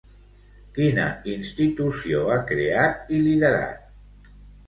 Quina institució ha creat i liderat?